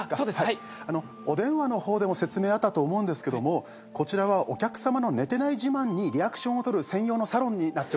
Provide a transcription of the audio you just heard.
お電話の方でも説明あったと思うんですけどもこちらはお客さまの寝てない自慢にリアクションをとる専用のサロンになっております。